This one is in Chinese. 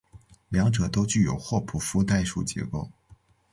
两者都具有霍普夫代数结构。